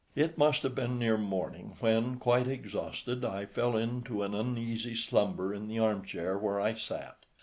It must have been near morning when, quite exhausted, I fell into an uneasy slumber in the arm chair where I sat.